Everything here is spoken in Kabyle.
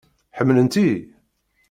Ḥemmlent-iyi?